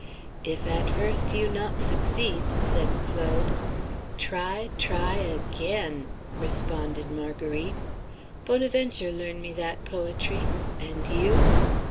"If at first you not succeed," said Claude, "Try try aga a ain," responded Marguerite; "Bonaventure learn me that poetry; and you?"